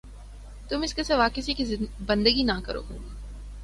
تم اس کے سوا کسی کی بندگی نہ کرو